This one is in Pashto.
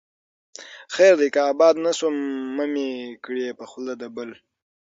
خير دى که آباد نه شوم، مه مې کړې په خوله د بل